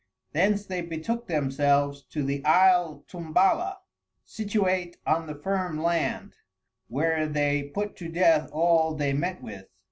Thence they betook themselves to the Isle Tumbala, scituate on the firm Land, where they put to Death all they met with.